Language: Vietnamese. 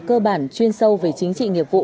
cơ bản chuyên sâu về chính trị nghiệp vụ